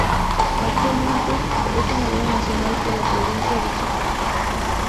Actualmente es Senadora Nacional por la provincia de Chaco.